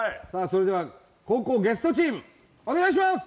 それでは後攻ゲストチームお願いします